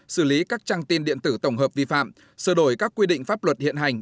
xử lý các trang tin điện tử tổng hợp vi phạm sửa đổi các quy định pháp luật hiện hành